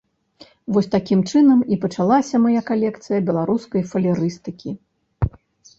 Вось такім чынам і пачалася мая калекцыя беларускай фалерыстыкі.